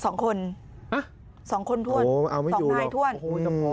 สองคนสองคนถ้วนสองนายถ้วนโอ้โฮเอาไม่อยู่หรอกโอ้โฮยังพอแล้ว